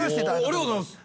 ありがとうございます。